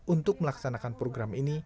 untuk melaksanakan program ini